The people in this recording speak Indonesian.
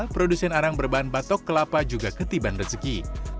produsen arang berbahan batok kelapa juga ketiban rezeki